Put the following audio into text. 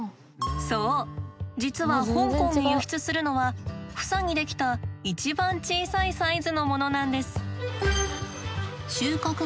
そう実は香港に輸出するのは房に出来た一番小さいサイズのものなんです。